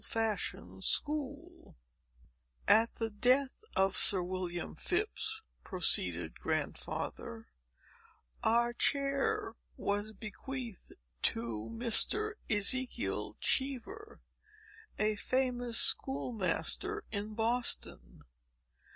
Chapter III "At the death of Sir William Phips," proceeded Grandfather, "our chair was bequeathed to Mr. Ezekiel Cheever, a famous school master in Boston.